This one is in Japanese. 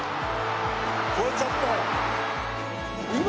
越えちゃったよ！